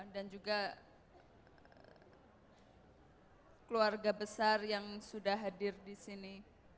dan juga keluarga besar yang sudah hadir di sini